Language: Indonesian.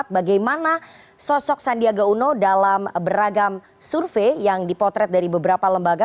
bagaimana sosok sandiaga uno dalam beragam survei yang dipotret dari beberapa lembaga